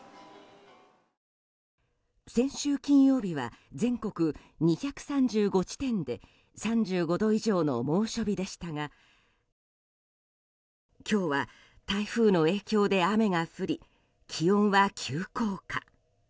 先週金曜日は全国２３５地点で３５度以上の猛暑日でしたが今日は台風の影響で雨が降り気温は急降下。